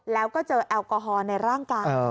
แล้วก็เจอแอลกอฮอล์ในร่างกาย